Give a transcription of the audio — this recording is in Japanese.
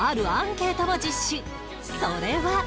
それは